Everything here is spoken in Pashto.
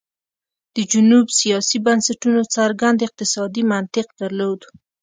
د جنوب سیاسي بنسټونو څرګند اقتصادي منطق درلود.